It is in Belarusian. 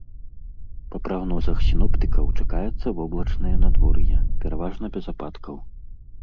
Па прагнозах сіноптыкаў, чакаецца воблачнае надвор'е, пераважна без ападкаў.